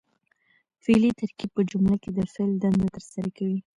فعلي ترکیب په جمله کښي د فعل دنده ترسره کوي.